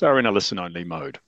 In a listen-only mode.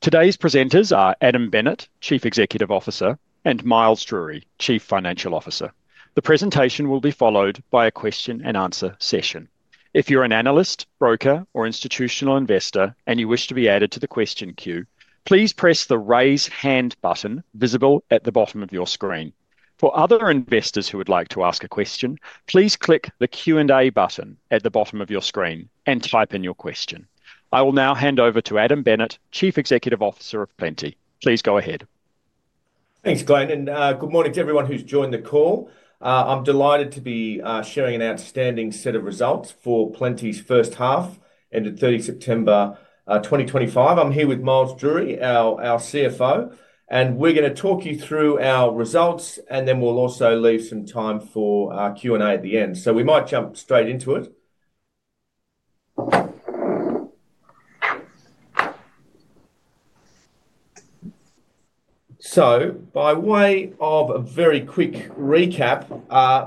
Today's presenters are Adam Bennett, Chief Executive Officer, and Miles Drury, Chief Financial Officer. The presentation will be followed by a question-and-answer session. If you're an analyst, broker, or institutional investor, and you wish to be added to the question queue, please press the Raise Hand button visible at the bottom of your screen. For other investors who would like to ask a question, please click the Q&A button at the bottom of your screen and type in your question. I will now hand over to Adam Bennett, Chief Executive Officer of Plenti. Please go ahead. Thanks, Glenn, and good morning to everyone who's joined the call. I'm delighted to be sharing an outstanding set of results for Plenti's first half ended 30 September 2025. I'm here with Miles Drury, our CFO, and we're going to talk you through our results, and then we'll also leave some time for Q&A at the end. We might jump straight into it. By way of a very quick recap,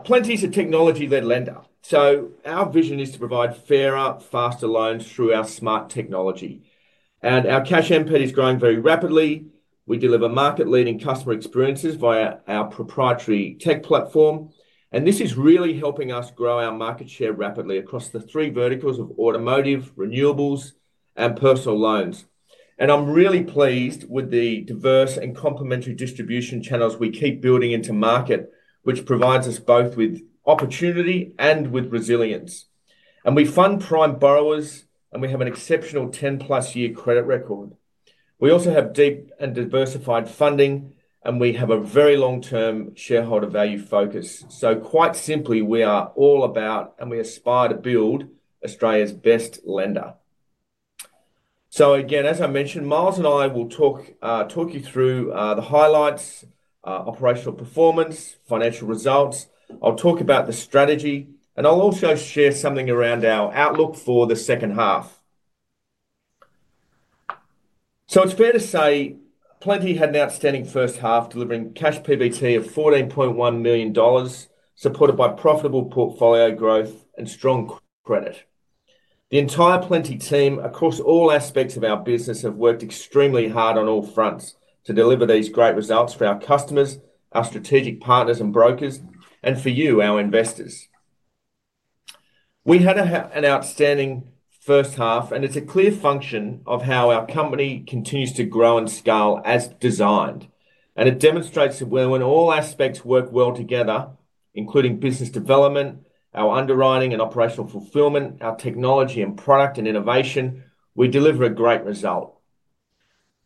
Plenti is a technology-led lender. Our vision is to provide fairer, faster loans through our smart technology. Our cash-amp is growing very rapidly. We deliver market-leading customer experiences via our proprietary tech platform, and this is really helping us grow our market share rapidly across the three verticals of automotive, renewables, and personal loans. I'm really pleased with the diverse and complementary distribution channels we keep building into market, which provides us both with opportunity and with resilience. We fund prime borrowers, and we have an exceptional 10+ year credit record. We also have deep and diversified funding, and we have a very long-term shareholder value focus. Quite simply, we are all about, and we aspire to build Australia's best lender. As I mentioned, Miles and I will talk you through the highlights, operational performance, financial results. I'll talk about the strategy, and I'll also share something around our outlook for the second half. It's fair to say Plenti had an outstanding first half, delivering cash PBT of 14.1 million dollars, supported by profitable portfolio growth and strong credit. The entire Plenti team, across all aspects of our business, have worked extremely hard on all fronts to deliver these great results for our customers, our strategic partners, and brokers, and for you, our investors. We had an outstanding first half, and it's a clear function of how our company continues to grow and scale as designed. It demonstrates that when all aspects work well together, including business development, our underwriting and operational fulfillment, our technology and product and innovation, we deliver a great result.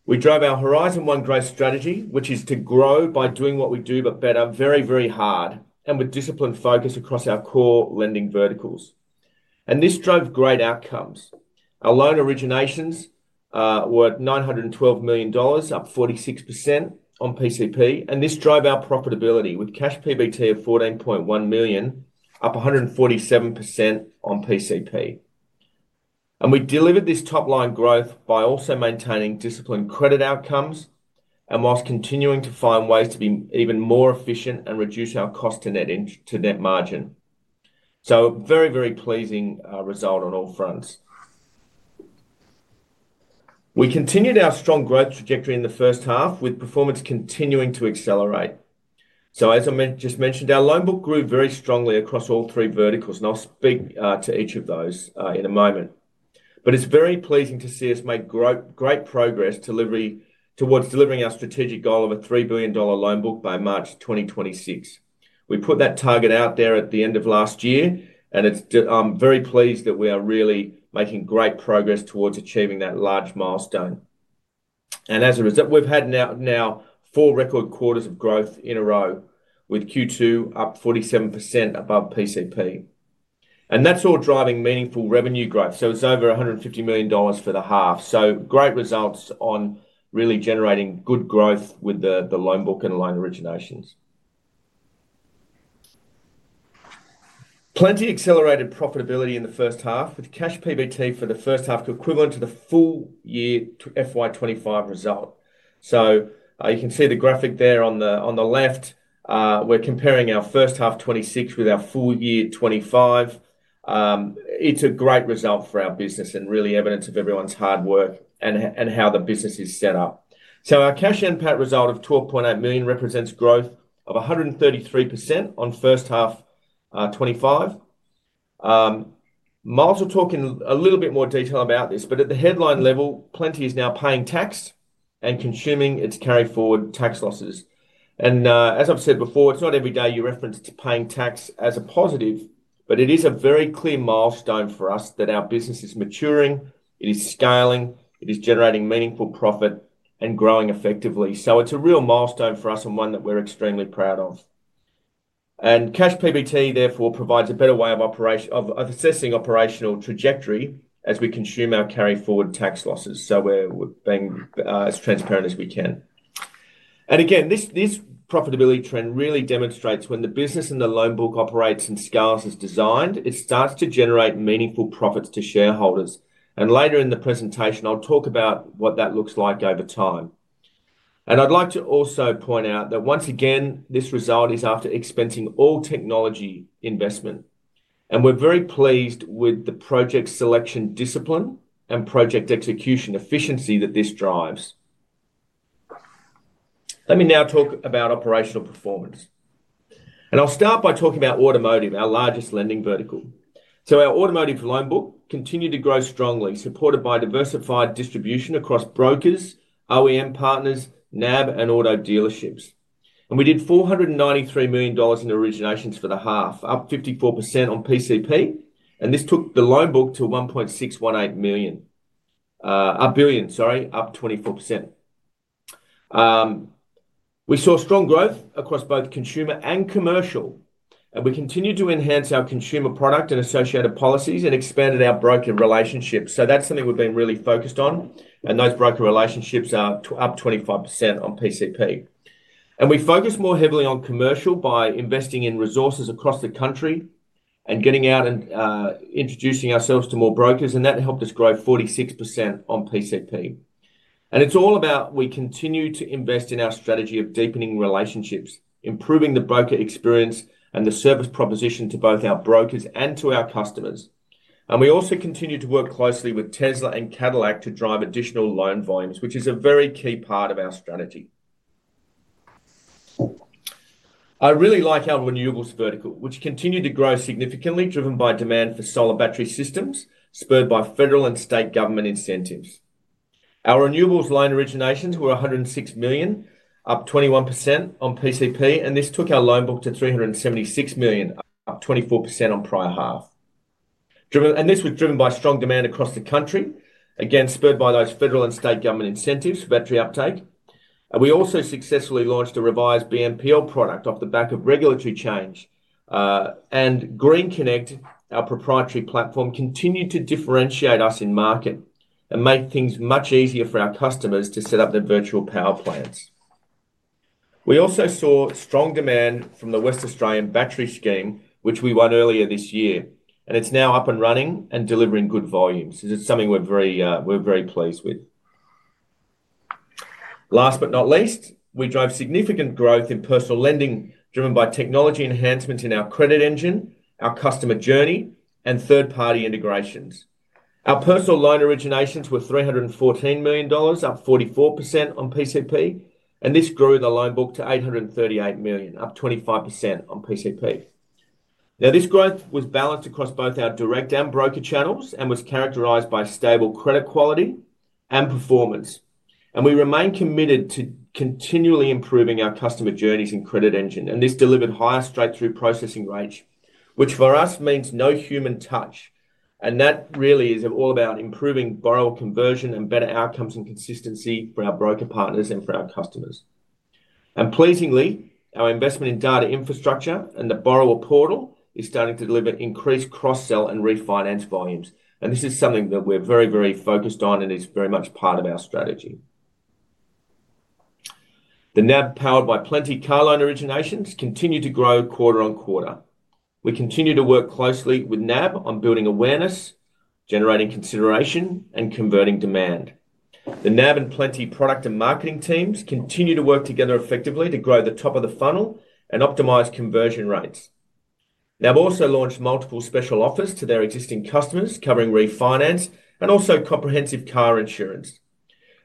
We drove our Horizon One Growth strategy, which is to grow by doing what we do, but better, very, very hard, and with disciplined focus across our core lending verticals. This drove great outcomes. Our loan originations were 912 million dollars, up 46% on PCP, and this drove our profitability with cash PBT of 14.1 million, up 147% on PCP. We delivered this top-line growth by also maintaining disciplined credit outcomes whilst continuing to find ways to be even more efficient and reduce our cost-to-net margin. Very, very pleasing result on all fronts. We continued our strong growth trajectory in the first half, with performance continuing to accelerate. As I just mentioned, our loan book grew very strongly across all three verticals, and I'll speak to each of those in a moment. It is very pleasing to see us make great progress towards delivering our strategic goal of an 3 billion dollar loan book by March 2026. We put that target out there at the end of last year, and I am very pleased that we are really making great progress towards achieving that large milestone. As a result, we have had now four record quarters of growth in a row, with Q2 up 47% above PCP. That is all driving meaningful revenue growth. It is over 150 million dollars for the half. Great results on really generating good growth with the loan book and loan originations. Plenti accelerated profitability in the first half, with cash PBT for the first half equivalent to the full year 2025 result. You can see the graphic there on the left. We are comparing our first half 2026 with our full year 2025. It is a great result for our business and really evidence of everyone's hard work and how the business is set up. Our cash-amp result of 12.8 million represents growth of 133% on first half 2025. Miles will talk in a little bit more detail about this, but at the headline level, Plenti is now paying tax and consuming its carry-forward tax losses. As I've said before, it's not every day you reference paying tax as a positive, but it is a very clear milestone for us that our business is maturing, it is scaling, it is generating meaningful profit, and growing effectively. It is a real milestone for us and one that we're extremely proud of. Cash PBT, therefore, provides a better way of assessing operational trajectory as we consume our carry-forward tax losses. We're being as transparent as we can. This profitability trend really demonstrates when the business and the loan book operates and scales as designed, it starts to generate meaningful profits to shareholders. Later in the presentation, I'll talk about what that looks like over time. I'd like to also point out that once again, this result is after expensing all technology investment. We are very pleased with the project selection discipline and project execution efficiency that this drives. Let me now talk about operational performance. I'll start by talking about automotive, our largest lending vertical. Our automotive loan book continued to grow strongly, supported by diversified distribution across brokers, OEM partners, NAB, and auto dealerships. We did 493 million dollars in originations for the half, up 54% on PCP, and this took the loan book to 1.618 billion, up 24%. We saw strong growth across both consumer and commercial, and we continued to enhance our consumer product and associated policies and expanded our broker relationships. That is something we've been really focused on, and those broker relationships are up 25% on PCP. We focused more heavily on commercial by investing in resources across the country and getting out and introducing ourselves to more brokers, and that helped us grow 46% on PCP. It is all about we continue to invest in our strategy of deepening relationships, improving the broker experience and the service proposition to both our brokers and to our customers. We also continue to work closely with Tesla and Cadillac to drive additional loan volumes, which is a very key part of our strategy. I really like our renewables vertical, which continued to grow significantly, driven by demand for solar battery systems spurred by federal and state government incentives. Our renewables loan originations were 106 million, up 21% on PCP, and this took our loan book to 376 million, up 24% on prior half. This was driven by strong demand across the country, again, spurred by those federal and state government incentives for battery uptake. We also successfully launched a revised BNPL product off the back of regulatory change. GreenConnect, our proprietary platform, continued to differentiate us in market and make things much easier for our customers to set up their virtual power plants. We also saw strong demand from the Western Australia battery scheme, which we won earlier this year, and it is now up and running and delivering good volumes. It is something we are very pleased with. Last but not least, we drove significant growth in personal lending, driven by technology enhancements in our credit engine, our customer journey, and third-party integrations. Our personal loan originations were 314 million dollars, up 44% on PCP, and this grew the loan book to 838 million, up 25% on PCP. Now, this growth was balanced across both our direct and broker channels and was characterized by stable credit quality and performance. We remain committed to continually improving our customer journeys and credit engine, and this delivered higher straight-through processing rates, which for us means no human touch. That really is all about improving borrower conversion and better outcomes and consistency for our broker partners and for our customers. Pleasingly, our investment in data infrastructure and the borrower portal is starting to deliver increased cross-sell and refinance volumes. This is something that we're very, very focused on and is very much part of our strategy. The NAB powered by Plenti car loan originations continued to grow quarter on quarter. We continue to work closely with NAB on building awareness, generating consideration, and converting demand. The NAB and Plenti product and marketing teams continue to work together effectively to grow the top of the funnel and optimize conversion rates. NAB also launched multiple special offers to their existing customers, covering refinance and also comprehensive car insurance.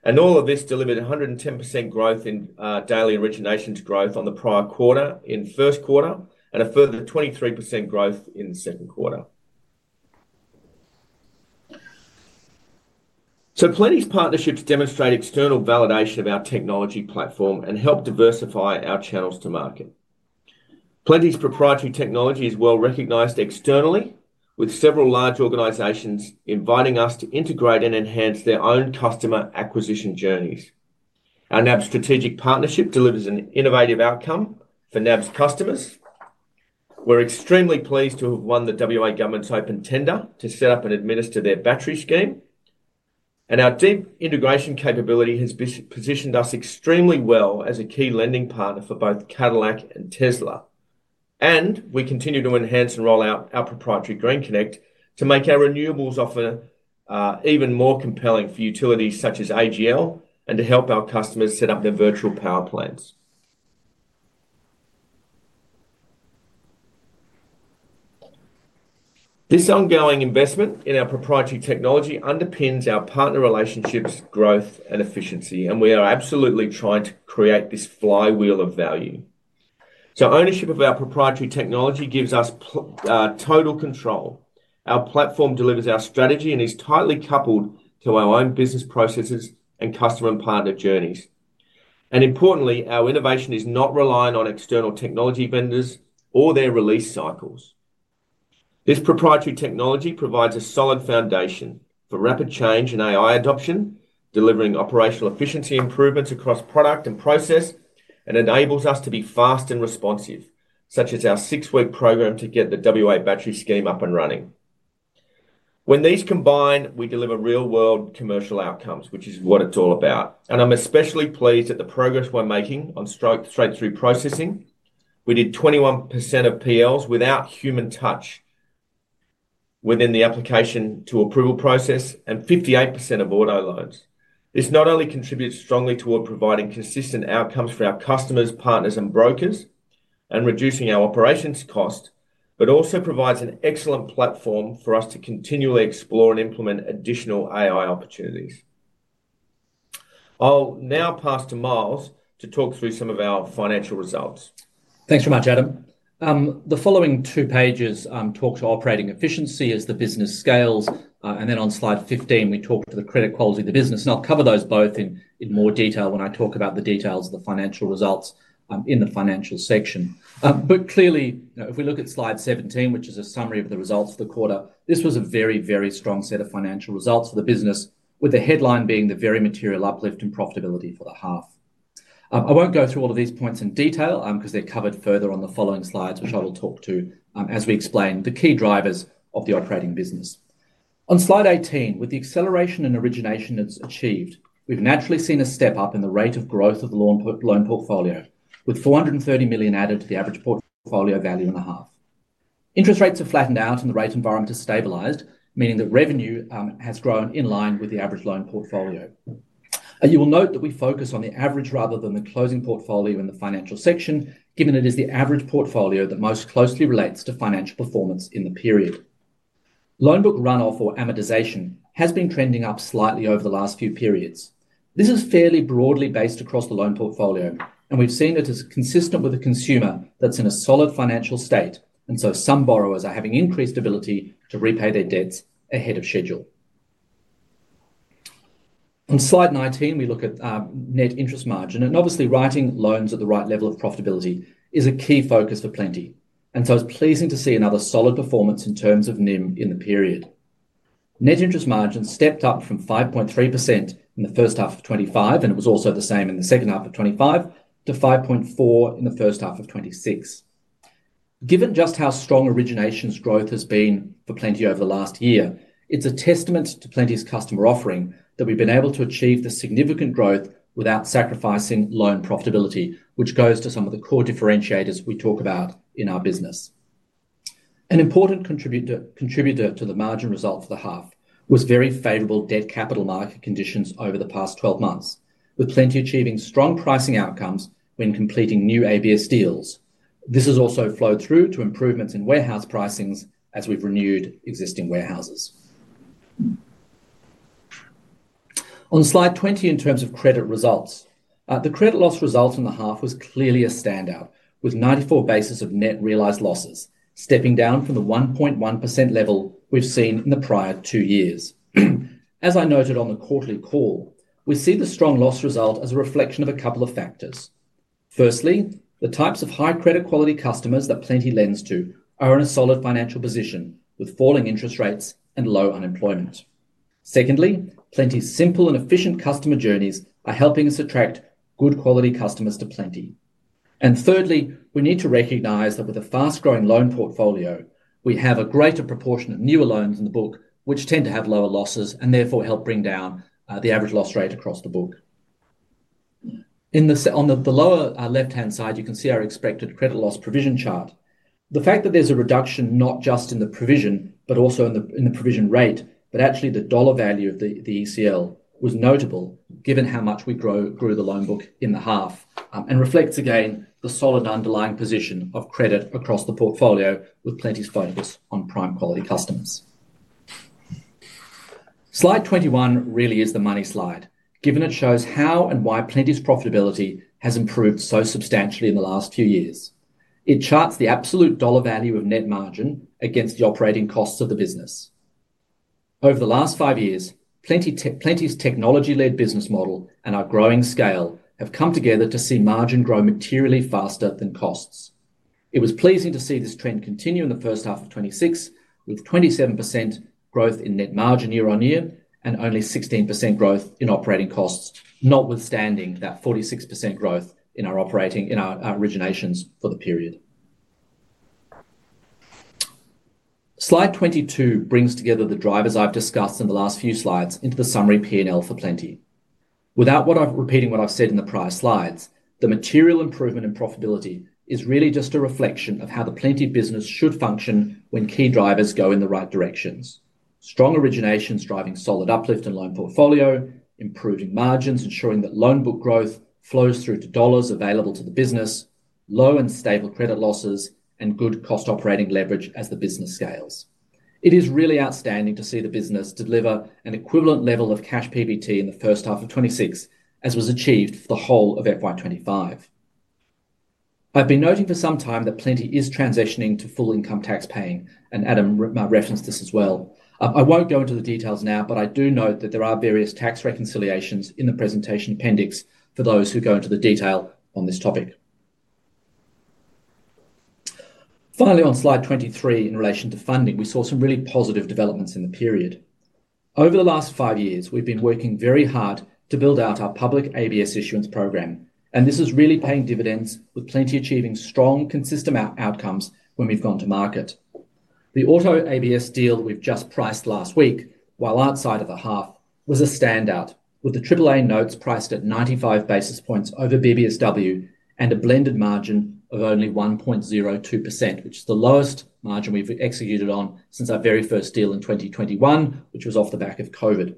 All of this delivered 110% growth in daily originations growth on the prior quarter in first quarter and a further 23% growth in second quarter. Plenti's partnerships demonstrate external validation of our technology platform and help diversify our channels to market. Plenti's proprietary technology is well recognized externally, with several large organizations inviting us to integrate and enhance their own customer acquisition journeys. Our NAB strategic partnership delivers an innovative outcome for NAB's customers. We're extremely pleased to have won the Western Australia government's open tender to set up and administer their battery scheme. Our deep integration capability has positioned us extremely well as a key lending partner for both Cadillac and Tesla. We continue to enhance and roll out our proprietary GreenConnect to make our renewables offer even more compelling for utilities such as AGL and to help our customers set up their virtual power plants. This ongoing investment in our proprietary technology underpins our partner relationships, growth, and efficiency, and we are absolutely trying to create this flywheel of value. Ownership of our proprietary technology gives us total control. Our platform delivers our strategy and is tightly coupled to our own business processes and customer and partner journeys. Importantly, our innovation is not reliant on external technology vendors or their release cycles. This proprietary technology provides a solid foundation for rapid change and AI adoption, delivering operational efficiency improvements across product and process, and enables us to be fast and responsive, such as our six-week program to get the Western Australia battery scheme up and running. When these combine, we deliver real-world commercial outcomes, which is what it's all about. I'm especially pleased at the progress we're making on straight-through processing. We did 21% of personal loans without human touch within the application to approval process and 58% of automotive loans. This not only contributes strongly toward providing consistent outcomes for our customers, partners, and brokers, and reducing our operations cost, but also provides an excellent platform for us to continually explore and implement additional AI opportunities. I'll now pass to Miles to talk through some of our financial results. Thanks very much, Adam. The following two pages talk to operating efficiency as the business scales, and then on slide 15, we talk to the credit quality of the business. I'll cover those both in more detail when I talk about the details of the financial results in the financial section. Clearly, if we look at slide 17, which is a summary of the results for the quarter, this was a very, very strong set of financial results for the business, with the headline being the very material uplift in profitability for the half. I won't go through all of these points in detail because they're covered further on the following slides, which I will talk to as we explain the key drivers of the operating business. On slide 18, with the acceleration and origination that's achieved, we've naturally seen a step up in the rate of growth of the loan portfolio, with 430 million added to the average portfolio value in the half. Interest rates have flattened out, and the rate environment has stabilized, meaning that revenue has grown in line with the average loan portfolio. You will note that we focus on the average rather than the closing portfolio in the financial section, given it is the average portfolio that most closely relates to financial performance in the period. Loan book runoff or amortization has been trending up slightly over the last few periods. This is fairly broadly based across the loan portfolio, and we've seen it as consistent with a consumer that's in a solid financial state, and so some borrowers are having increased ability to repay their debts ahead of schedule. On slide 19, we look at net interest margin, and obviously, writing loans at the right level of profitability is a key focus for Plenti, and so it's pleasing to see another solid performance in terms of NIM in the period. Net interest margin stepped up from 5.3% in the first half of 2025, and it was also the same in the second half of 2025, to 5.4% in the first half of 2026. Given just how strong originations growth has been for Plenti over the last year, it's a testament to Plenti's customer offering that we've been able to achieve the significant growth without sacrificing loan profitability, which goes to some of the core differentiators we talk about in our business. An important contributor to the margin result for the half was very favorable debt capital market conditions over the past 12 months, with Plenti achieving strong pricing outcomes when completing new ABS deals. This has also flowed through to improvements in warehouse pricings as we've renewed existing warehouses. On slide 20, in terms of credit results, the credit loss result in the half was clearly a standout, with 94 basis points of net realized losses stepping down from the 1.1% level we've seen in the prior two years. As I noted on the quarterly call, we see the strong loss result as a reflection of a couple of factors. Firstly, the types of high credit quality customers that Plenti lends to are in a solid financial position with falling interest rates and low unemployment. Secondly, Plenti's simple and efficient customer journeys are helping us attract good quality customers to Plenti. Thirdly, we need to recognize that with a fast-growing loan portfolio, we have a greater proportion of newer loans in the book, which tend to have lower losses and therefore help bring down the average loss rate across the book. On the lower left-hand side, you can see our expected credit loss provision chart. The fact that there's a reduction not just in the provision, but also in the provision rate, but actually the dollar value of the ECL was notable given how much we grew the loan book in the half and reflects again the solid underlying position of credit across the portfolio with Plenti's focus on prime quality customers. Slide 21 really is the money slide, given it shows how and why Plenti's profitability has improved so substantially in the last few years. It charts the absolute dollar value of net margin against the operating costs of the business. Over the last five years, Plenti's technology-led business model and our growing scale have come together to see margin grow materially faster than costs. It was pleasing to see this trend continue in the first half of 2026, with 27% growth in net margin year on year and only 16% growth in operating costs, notwithstanding that 46% growth in our originations for the period. Slide 22 brings together the drivers I've discussed in the last few slides into the summary P&L for Plenti. Without repeating what I've said in the prior slides, the material improvement in profitability is really just a reflection of how the Plenti business should function when key drivers go in the right directions. Strong originations driving solid uplift in loan portfolio, improving margins, ensuring that loan book growth flows through to dollars available to the business, low and stable credit losses, and good cost operating leverage as the business scales. It is really outstanding to see the business deliver an equivalent level of cash PBT in the first half of 2026, as was achieved for the whole of FY2025. I've been noting for some time that Plenti is transitioning to full income tax paying, and Adam referenced this as well. I won't go into the details now, but I do note that there are various tax reconciliations in the presentation appendix for those who go into the detail on this topic. Finally, on slide 23, in relation to funding, we saw some really positive developments in the period. Over the last five years, we've been working very hard to build out our public ABS issuance program, and this is really paying dividends with Plenti achieving strong, consistent outcomes when we've gone to market. The auto ABS deal we've just priced last week, while outside of the half, was a standout, with the AAA notes priced at 95 basis points over BBSW and a blended margin of only 1.02%, which is the lowest margin we've executed on since our very first deal in 2021, which was off the back of COVID.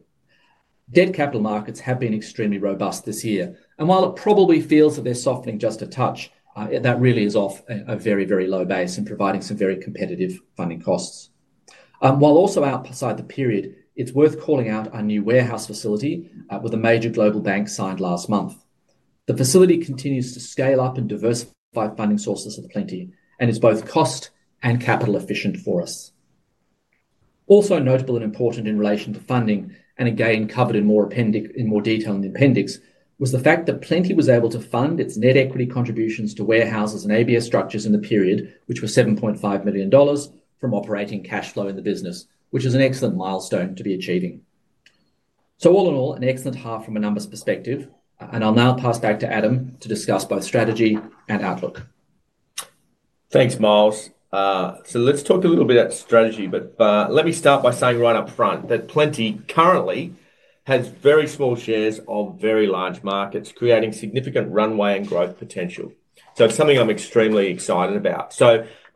Debt capital markets have been extremely robust this year, and while it probably feels that they're softening just a touch, that really is off a very, very low base and providing some very competitive funding costs. While also outside the period, it's worth calling out our new warehouse facility with a major global bank signed last month. The facility continues to scale up and diversify funding sources for Plenti, and it's both cost and capital efficient for us. Also notable and important in relation to funding, and again covered in more detail in the appendix, was the fact that Plenti was able to fund its net equity contributions to warehouses and ABS structures in the period, which was 7.5 million dollars from operating cash flow in the business, which is an excellent milestone to be achieving. All in all, an excellent half from a numbers perspective, and I'll now pass back to Adam to discuss both strategy and outlook. Thanks, Miles. Let's talk a little bit about strategy, but let me start by saying right up front that Plenti currently has very small shares of very large markets creating significant runway and growth potential. It's something I'm extremely excited about.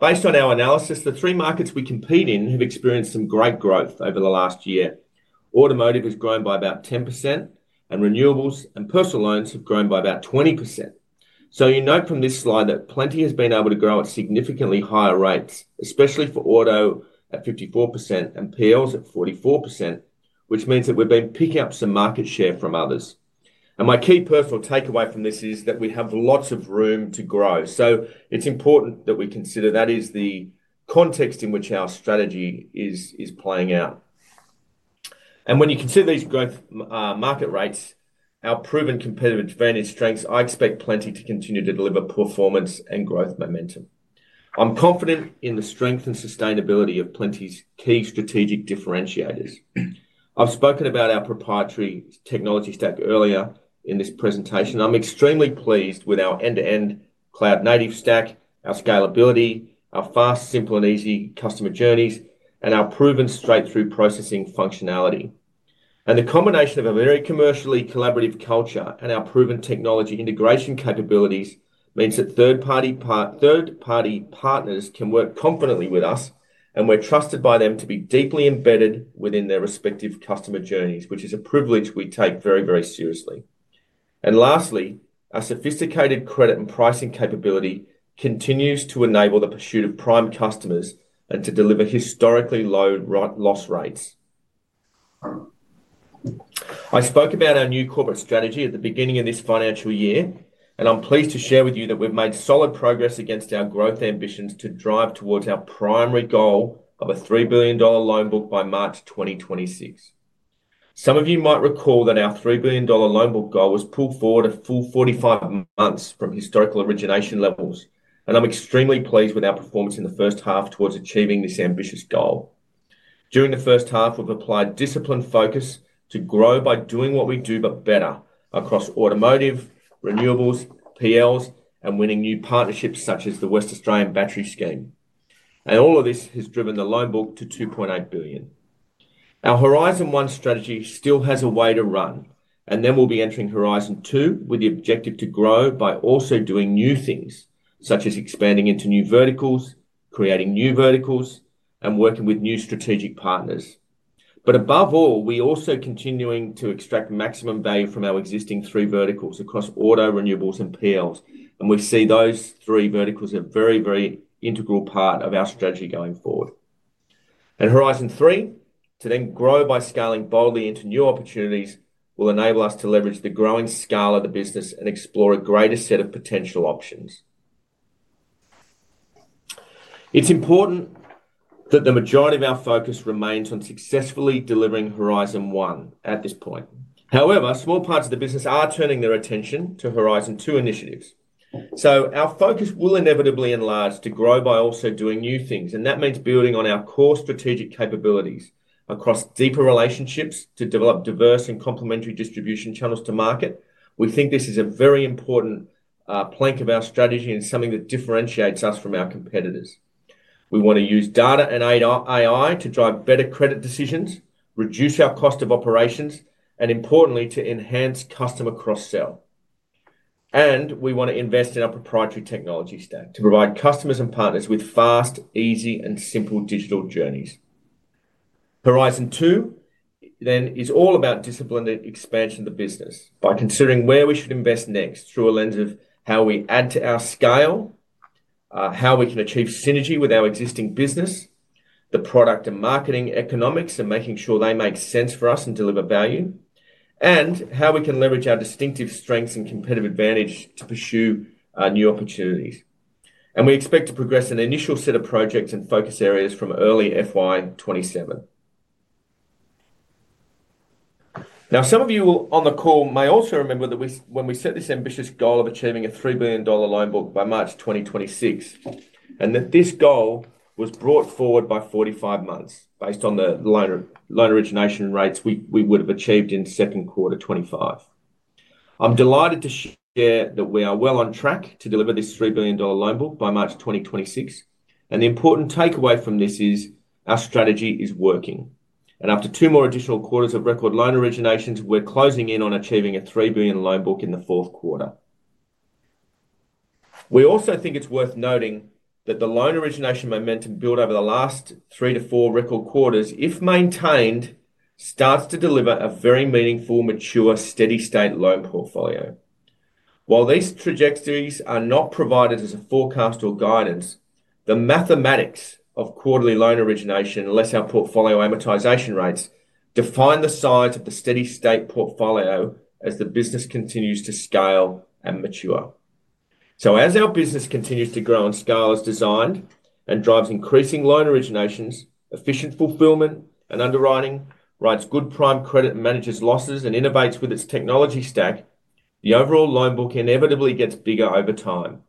Based on our analysis, the three markets we compete in have experienced some great growth over the last year. Automotive has grown by about 10%, and renewables and personal loans have grown by about 20%. You note from this slide that Plenti has been able to grow at significantly higher rates, especially for auto at 54% and PLs at 44%, which means that we've been picking up some market share from others. My key personal takeaway from this is that we have lots of room to grow. It's important that we consider that is the context in which our strategy is playing out. When you consider these growth market rates, our proven competitive advantage strengths, I expect Plenti to continue to deliver performance and growth momentum. I'm confident in the strength and sustainability of Plenti's key strategic differentiators. I've spoken about our proprietary technology stack earlier in this presentation. I'm extremely pleased with our end-to-end cloud-native stack, our scalability, our fast, simple, and easy customer journeys, and our proven straight-through processing functionality. The combination of a very commercially collaborative culture and our proven technology integration capabilities means that third-party partners can work confidently with us, and we're trusted by them to be deeply embedded within their respective customer journeys, which is a privilege we take very, very seriously. Lastly, our sophisticated credit and pricing capability continues to enable the pursuit of prime customers and to deliver historically low loss rates. I spoke about our new corporate strategy at the beginning of this financial year, and I'm pleased to share with you that we've made solid progress against our growth ambitions to drive towards our primary goal of a 3 billion dollar loan book by March 2026. Some of you might recall that our 3 billion dollar loan book goal was pulled forward a full 45 months from historical origination levels, and I'm extremely pleased with our performance in the first half towards achieving this ambitious goal. During the first half, we've applied disciplined focus to grow by doing what we do, but better across automotive, renewables, PLs, and winning new partnerships such as the Western Australia Battery Scheme. All of this has driven the loan book to 2.8 billion. Our Horizon One strategy still has a way to run, and then we'll be entering Horizon Two with the objective to grow by also doing new things, such as expanding into new verticals, creating new verticals, and working with new strategic partners. Above all, we are also continuing to extract maximum value from our existing three verticals across auto, renewables, and PLs, and we see those three verticals as a very, very integral part of our strategy going forward. Horizon Three, to then grow by scaling boldly into new opportunities, will enable us to leverage the growing scale of the business and explore a greater set of potential options. It's important that the majority of our focus remains on successfully delivering Horizon One at this point. However, small parts of the business are turning their attention to Horizon Two initiatives. Our focus will inevitably enlarge to grow by also doing new things, and that means building on our core strategic capabilities across deeper relationships to develop diverse and complementary distribution channels to market. We think this is a very important plank of our strategy and something that differentiates us from our competitors. We want to use data and AI to drive better credit decisions, reduce our cost of operations, and importantly, to enhance customer cross-sell. We want to invest in our proprietary technology stack to provide customers and partners with fast, easy, and simple digital journeys. Horizon Two is all about disciplined expansion of the business by considering where we should invest next through a lens of how we add to our scale, how we can achieve synergy with our existing business, the product and marketing economics, and making sure they make sense for us and deliver value, and how we can leverage our distinctive strengths and competitive advantage to pursue new opportunities. We expect to progress an initial set of projects and focus areas from early FY2027. Now, some of you on the call may also remember that when we set this ambitious goal of achieving a 3 billion dollar loan book by March 2026, and that this goal was brought forward by 45 months based on the loan origination rates we would have achieved in second quarter 2025. I'm delighted to share that we are well on track to deliver this 3 billion dollar loan book by March 2026, and the important takeaway from this is our strategy is working. After two more additional quarters of record loan originations, we're closing in on achieving a 3 billion loan book in the fourth quarter. We also think it's worth noting that the loan origination momentum built over the last three to four record quarters, if maintained, starts to deliver a very meaningful, mature, steady-state loan portfolio. While these trajectories are not provided as a forecast or guidance, the mathematics of quarterly loan origination, unless our portfolio amortization rates, define the size of the steady-state portfolio as the business continues to scale and mature. As our business continues to grow and scale as designed and drives increasing loan originations, efficient fulfillment and underwriting, writes good prime credit, manages losses, and innovates with its technology stack, the overall loan book inevitably gets bigger over time.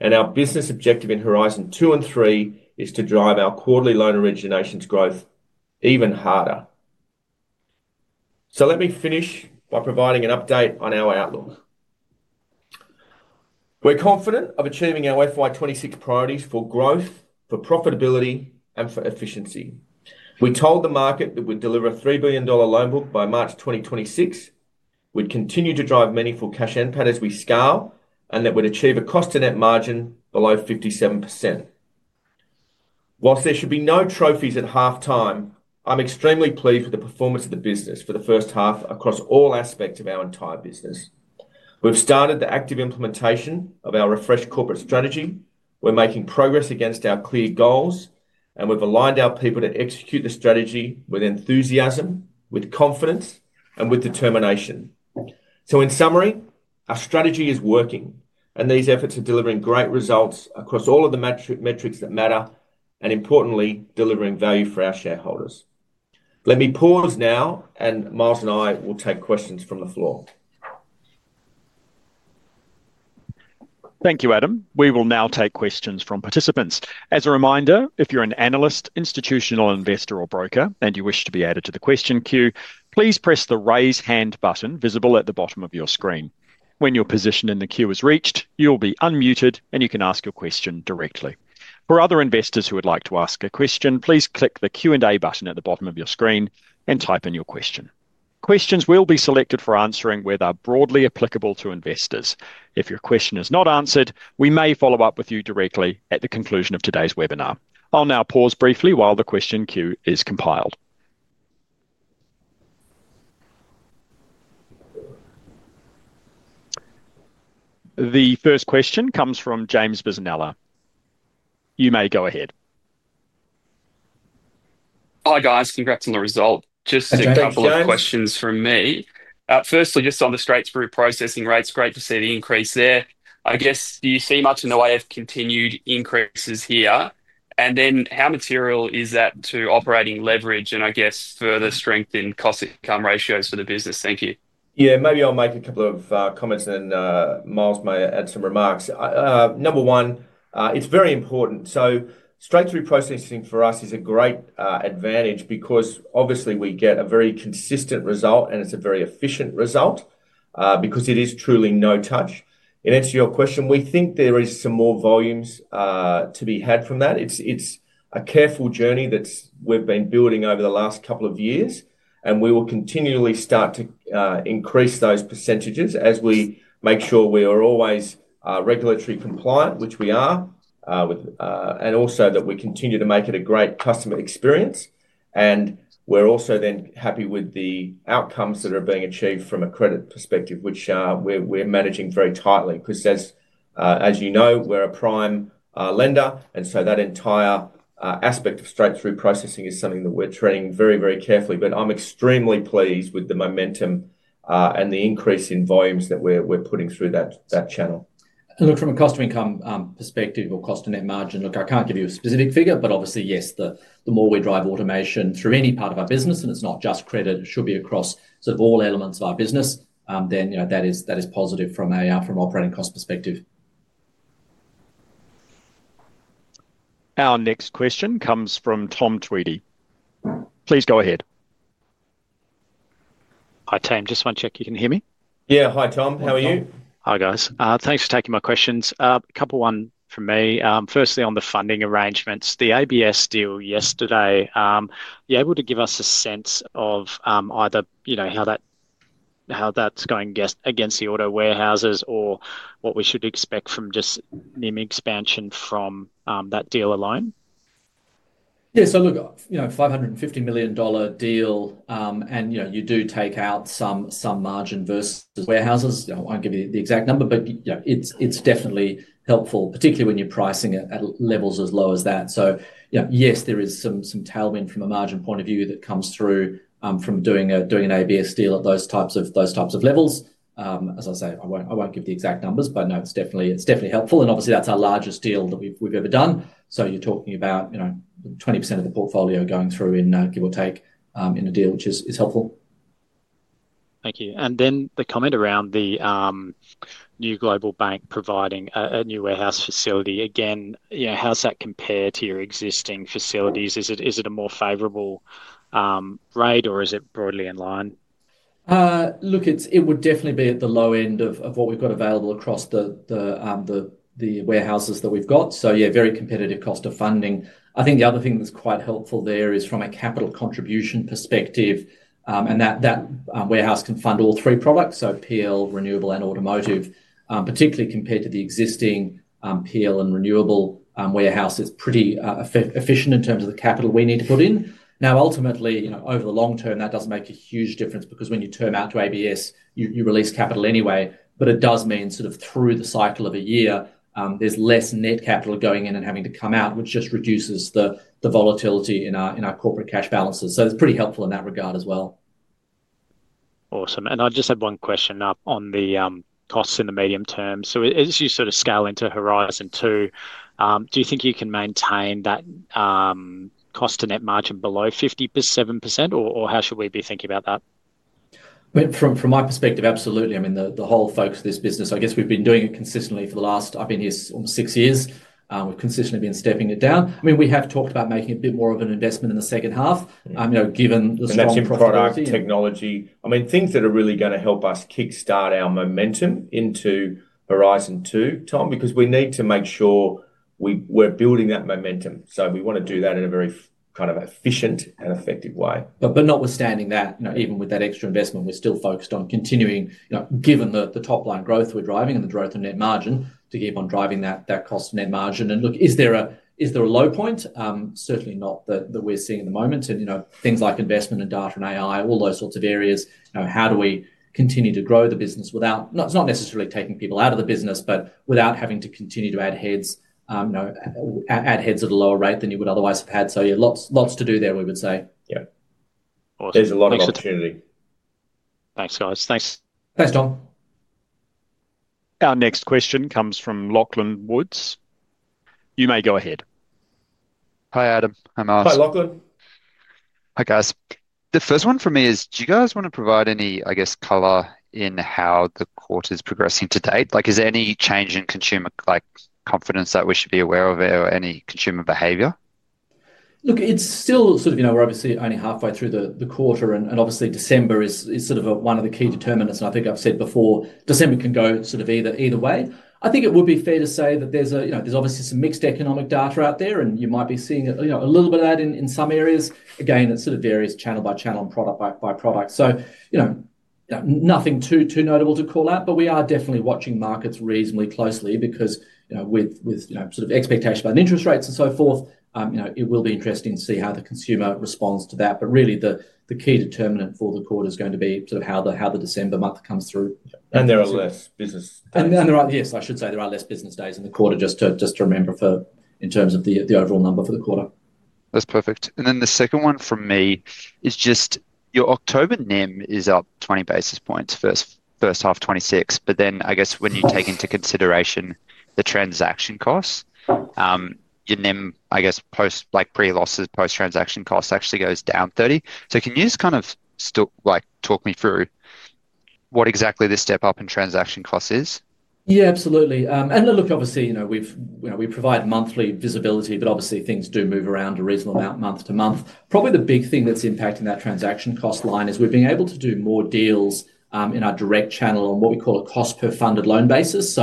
Our business objective in Horizon Two and Three is to drive our quarterly loan originations growth even harder. Let me finish by providing an update on our outlook. We're confident of achieving our FY2026 priorities for growth, for profitability, and for efficiency. We told the market that we'd deliver a 3 billion dollar loan book by March 2026, would continue to drive meaningful cash and pad as we scale, and that we'd achieve a cost-to-net margin below 57%. Whilst there should be no trophies at half time, I'm extremely pleased with the performance of the business for the first half across all aspects of our entire business. We've started the active implementation of our refreshed corporate strategy. We're making progress against our clear goals, and we've aligned our people to execute the strategy with enthusiasm, with confidence, and with determination. In summary, our strategy is working, and these efforts are delivering great results across all of the metrics that matter, and importantly, delivering value for our shareholders. Let me pause now, and Miles and I will take questions from the floor. Thank you, Adam. We will now take questions from participants. As a reminder, if you're an analyst, institutional investor, or broker, and you wish to be added to the question queue, please press the raise hand button visible at the bottom of your screen. When your position in the queue is reached, you'll be unmuted, and you can ask your question directly. For other investors who would like to ask a question, please click the Q&A button at the bottom of your screen and type in your question. Questions will be selected for answering whether broadly applicable to investors. If your question is not answered, we may follow up with you directly at the conclusion of today's webinar. I'll now pause briefly while the question queue is compiled. The first question comes from James Bisinella. You may go ahead. Hi, guys. Congrats on the result. Just a couple of questions from me. Firstly, just on the straight-through processing rates, great to see the increase there. I guess, do you see much in the way of continued increases here? And then how material is that to operating leverage and, I guess, further strengthen cost-income ratios for the business? Thank you. Yeah, maybe I'll make a couple of comments, and then Miles may add some remarks. Number one, it's very important. So straight-through processing for us is a great advantage because obviously we get a very consistent result, and it's a very efficient result because it is truly no touch. In answer to your question, we think there is some more volumes to be had from that. It's a careful journey that we've been building over the last couple of years, and we will continually start to increase those % as we make sure we are always regulatory compliant, which we are, and also that we continue to make it a great customer experience. We're also then happy with the outcomes that are being achieved from a credit perspective, which we're managing very tightly because, as you know, we're a prime lender, and so that entire aspect of straight-through processing is something that we're treading very, very carefully. I'm extremely pleased with the momentum and the increase in volumes that we're putting through that channel. Look, from a cost-to-income perspective or cost-to-net margin, look, I can't give you a specific figure, but obviously, yes, the more we drive automation through any part of our business, and it's not just credit, it should be across sort of all elements of our business, then that is positive from an operating cost perspective. Our next question comes from Tom Tweedie. Please go ahead. Hi, team. Just want to check you can hear me. Yeah. Hi, Tom. How are you? Hi, guys. Thanks for taking my questions. A couple of ones from me. Firstly, on the funding arrangements, the ABS deal yesterday, you're able to give us a sense of either how that's going against the auto warehouses or what we should expect from just NIM expansion from that deal alone? Yeah. So look, 550 million dollar deal, and you do take out some margin versus warehouses. I won't give you the exact number, but it's definitely helpful, particularly when you're pricing it at levels as low as that. Yes, there is some tailwind from a margin point of view that comes through from doing an ABS deal at those types of levels. As I say, I won't give the exact numbers, but no, it's definitely helpful. Obviously, that's our largest deal that we've ever done. You're talking about 20% of the portfolio going through in, give or take, in a deal, which is helpful. Thank you. The comment around the new global bank providing a new warehouse facility, again, how does that compare to your existing facilities? Is it a more favorable rate, or is it broadly in line? Look, it would definitely be at the low end of what we've got available across the warehouses that we've got. Yeah, very competitive cost of funding. I think the other thing that's quite helpful there is from a capital contribution perspective, and that warehouse can fund all three products, so PL, renewable, and automotive, particularly compared to the existing PL and renewable warehouse. It's pretty efficient in terms of the capital we need to put in. Now, ultimately, over the long term, that doesn't make a huge difference because when you turn out to ABS, you release capital anyway, but it does mean sort of through the cycle of a year, there's less net capital going in and having to come out, which just reduces the volatility in our corporate cash balances. It's pretty helpful in that regard as well. Awesome. I just had one question up on the costs in the medium term. As you sort of scale into Horizon Two, do you think you can maintain that cost-to-net margin below 57%, or how should we be thinking about that? From my perspective, absolutely. I mean, the whole focus of this business, I guess we've been doing it consistently for the last, I've been here almost six years. We've consistently been stepping it down. I mean, we have talked about making a bit more of an investment in the second half, given the strong product technology. I mean, things that are really going to help us kickstart our momentum into Horizon Two, Tom, because we need to make sure we're building that momentum. We want to do that in a very kind of efficient and effective way. Not withstanding that, even with that extra investment, we're still focused on continuing, given the top-line growth we're driving and the growth in net margin, to keep on driving that cost-to-net margin. Look, is there a low point? Certainly not that we're seeing at the moment. Things like investment in data and AI, all those sorts of areas, how do we continue to grow the business without, not necessarily taking people out of the business, but without having to continue to add heads at a lower rate than you would otherwise have had? Yeah, lots to do there, we would say. Yeah. There's a lot of opportunity. Thanks, guys. Thanks. Thanks, Tom. Our next question comes from Lachlan Woods. You may go ahead. Hi, Adam. Hi, Miles. Hi, Lachlan. Hi, guys. The first one for me is, do you guys want to provide any, I guess, color in how the quarter is progressing to date? Is there any change in consumer confidence that we should be aware of, or any consumer behavior? Look, it's still sort of, we're obviously only halfway through the quarter, and obviously, December is sort of one of the key determinants. I think I've said before, December can go sort of either way. I think it would be fair to say that there's obviously some mixed economic data out there, and you might be seeing a little bit of that in some areas. Again, it sort of varies channel by channel and product by product. Nothing too notable to call out, but we are definitely watching markets reasonably closely because with sort of expectations about interest rates and so forth, it will be interesting to see how the consumer responds to that. Really, the key determinant for the quarter is going to be sort of how the December month comes through. There are less business days. Yes, I should say there are less business days in the quarter, just to remember in terms of the overall number for the quarter. That is perfect. The second one for me is just your October NIM is up 20 basis points, first half 2026, but then I guess when you take into consideration the transaction costs, your NIM, I guess, pre-losses, post-transaction costs actually goes down 30. Can you just kind of talk me through what exactly this step up in transaction costs is? Yeah, absolutely. Look, obviously, we provide monthly visibility, but obviously, things do move around a reasonable amount month to month. Probably the big thing that's impacting that transaction cost line is we've been able to do more deals in our direct channel on what we call a cost-per-funded loan basis.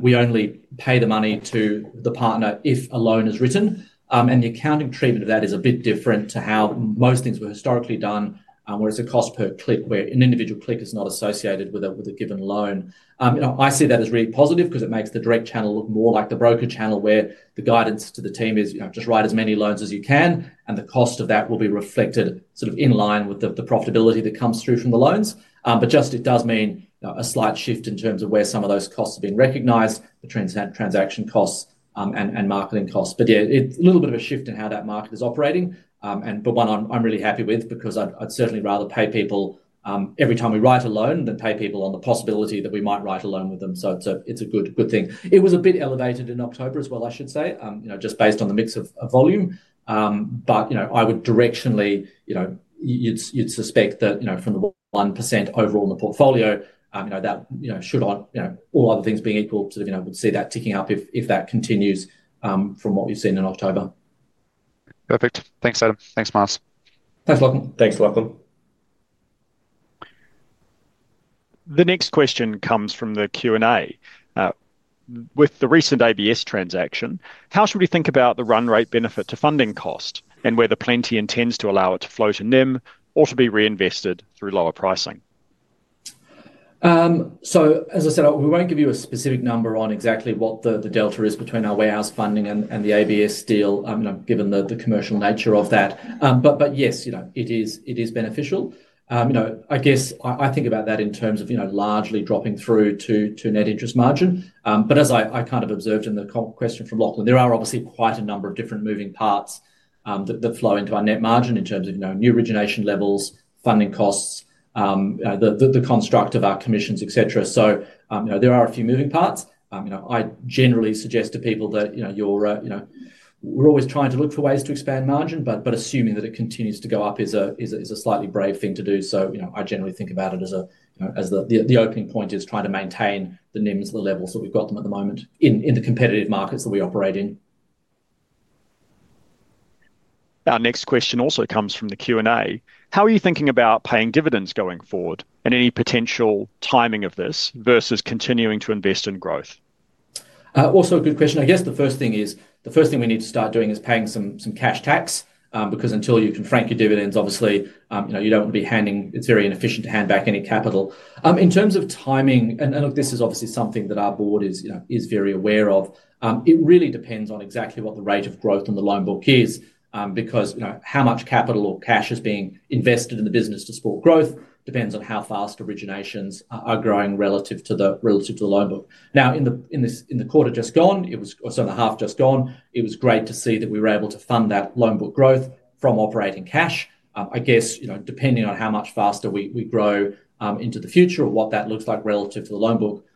We only pay the money to the partner if a loan is written, and the accounting treatment of that is a bit different to how most things were historically done, where it's a cost-per-click where an individual click is not associated with a given loan. I see that as really positive because it makes the direct channel look more like the broker channel where the guidance to the team is just write as many loans as you can, and the cost of that will be reflected sort of in line with the profitability that comes through from the loans. It does mean a slight shift in terms of where some of those costs are being recognized, the transaction costs and marketing costs. Yeah, a little bit of a shift in how that market is operating, but one I'm really happy with because I'd certainly rather pay people every time we write a loan than pay people on the possibility that we might write a loan with them. It's a good thing. It was a bit elevated in October as well, I should say, just based on the mix of volume. I would directionally, you'd suspect that from the 1% overall in the portfolio, that should all other things being equal, sort of we'd see that ticking up if that continues from what we've seen in October. Perfect. Thanks, Adam. Thanks, Miles. Thanks, Lachlan. The next question comes from the Q&A. With the recent ABS transaction, how should we think about the run rate benefit to funding cost and whether Plenti intends to allow it to float in NIM or to be reinvested through lower pricing? As I said, we won't give you a specific number on exactly what the delta is between our warehouse funding and the ABS deal, given the commercial nature of that. Yes, it is beneficial. I guess I think about that in terms of largely dropping through to net interest margin. As I kind of observed in the question from Lachlan, there are obviously quite a number of different moving parts that flow into our net margin in terms of new origination levels, funding costs, the construct of our commissions, et cetera. There are a few moving parts. I generally suggest to people that we're always trying to look for ways to expand margin, but assuming that it continues to go up is a slightly brave thing to do. I generally think about it as the opening point is trying to maintain the NIMs at the levels that we've got them at the moment in the competitive markets that we operate in. Our next question also comes from the Q&A. How are you thinking about paying dividends going forward and any potential timing of this versus continuing to invest in growth? Also a good question. I guess the first thing is the first thing we need to start doing is paying some cash tax because until you can frank your dividends, obviously, you do not want to be handing, it is very inefficient to hand back any capital. In terms of timing, and look, this is obviously something that our board is very aware of, it really depends on exactly what the rate of growth in the loan book is because how much capital or cash is being invested in the business to support growth depends on how fast originations are growing relative to the loan book. Now, in the quarter just gone, or in the half just gone, it was great to see that we were able to fund that loan book growth from operating cash. I guess depending on how much faster we grow into the future or what that looks like relative to the loan book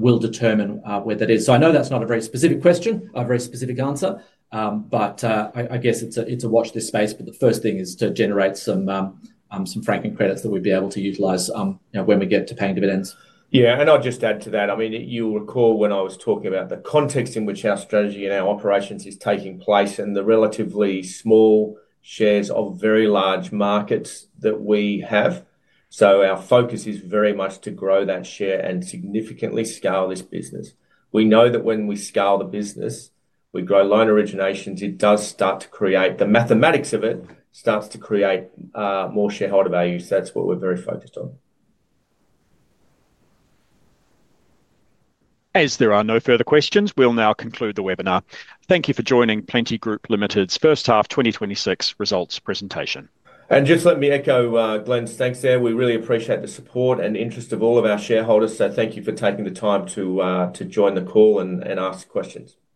will determine where that is. I know that's not a very specific question, a very specific answer, but I guess it's a watch this space, but the first thing is to generate some franking credits that we'd be able to utilize when we get to paying dividends. Yeah. I'll just add to that. I mean, you'll recall when I was talking about the context in which our strategy and our operations is taking place and the relatively small shares of very large markets that we have. Our focus is very much to grow that share and significantly scale this business. We know that when we scale the business, we grow loan originations, it does start to create the mathematics of it starts to create more shareholder value. That is what we are very focused on. As there are no further questions, we will now conclude the webinar. Thank you for joining Plenti Group Limited's first half 2026 results presentation. Let me echo Glenn's thanks there. We really appreciate the support and interest of all of our shareholders. Thank you for taking the time to join the call and ask questions. Thank you.